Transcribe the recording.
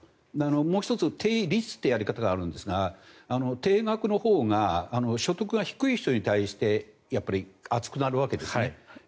もう１つ、定率というやり方があるんですが定額のほうが所得が低い人に対して厚くなるわけですね。